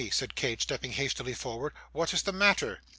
said Kate, stepping hastily forward, 'what is the matter?